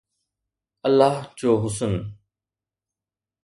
الله جو حسن